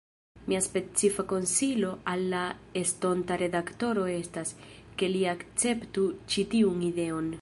Mia specifa konsilo al la estonta redaktoro estas, ke li akceptu ĉi tiun ideon.